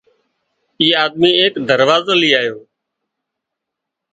اي آڌميئي ايڪ دروازو لئي آليو